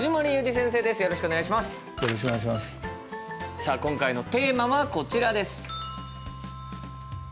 さあ今回のテーマはこちらです。